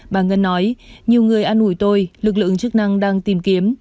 bà ngân nói nhiều người ăn ủi tôi lực lượng chức năng đang tìm kiếm